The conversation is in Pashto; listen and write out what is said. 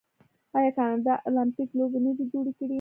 آیا کاناډا المپیک لوبې نه دي جوړې کړي؟